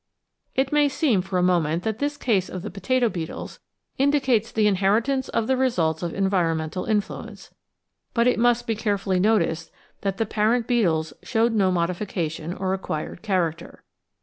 It may seem for a moment that this case of the potato beetles indicates the inheritance of the results of environmental influence. But it must be carefully noticed that the parent beetles showed no modification or acquired character.